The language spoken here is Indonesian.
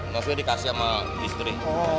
maksudnya dikasih sama istri